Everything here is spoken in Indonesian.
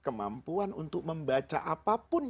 kemampuan untuk membaca apapun